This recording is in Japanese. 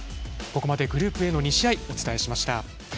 ここまでグループＡの２試合お伝えしました。